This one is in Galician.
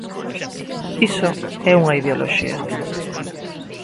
Iso é unha ideoloxía.